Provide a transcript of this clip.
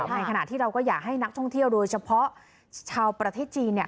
ในขณะที่เราก็อยากให้นักท่องเที่ยวโดยเฉพาะชาวประเทศจีน